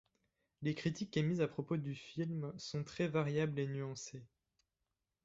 Les critiques émises à propos du film sont très variables et nuancées.